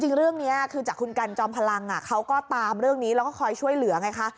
จริงเรื่องนี้คือจากคุณกันจอมพลังเขาก็ตามเรื่องนี้แล้วก็คอยช่วยเหลือไงคะ